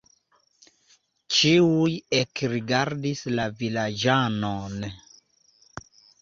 Ĉiuj ekrigardis la vilaĝanon.